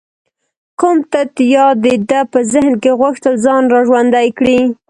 کوم تت یاد د ده په ذهن کې غوښتل ځان را ژوندی کړي.